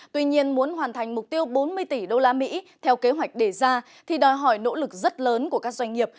tuy nhiên muốn hoàn thành mục tiêu bốn mươi tỷ usd theo kế hoạch đề ra thì đòi hỏi nỗ lực rất lớn của các doanh nghiệp